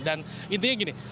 dan intinya gini